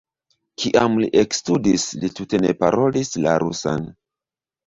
Kiam li ekstudis, li tute ne parolis la rusan.